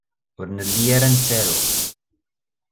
Ur nelli ara nettaru.